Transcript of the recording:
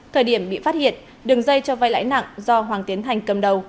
thời điểm bị phát hiện đường dây cho vai lãi nặng do hoàng tiến thành cầm đầu